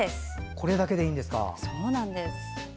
これだけでいいんですか。